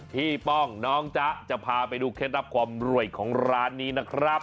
ป้องน้องจ๊ะจะพาไปดูเคล็ดลับความรวยของร้านนี้นะครับ